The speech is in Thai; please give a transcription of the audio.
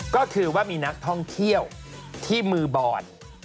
ก็คือว่ามีนักท่องเที่ยวที่มือบอด